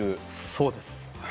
そうです。